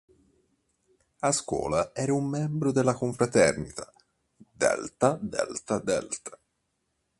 A scuola era un membro della confraternita Delta Delta Delta.